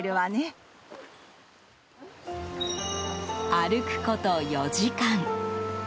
歩くこと４時間。